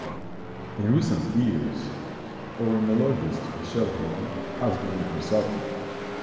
In recent years, oenologist Michel Rolland has been a consultant.